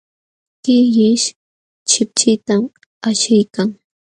Killish chipchitam ashiykan.